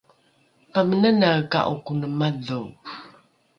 pamenanaeka’o kone madho?